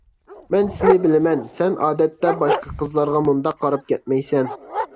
مەن سېنى بىلىمەن. سەن ئادەتتە باشقا قىزلارغا مۇنداق قاراپ كەتمەيسەن.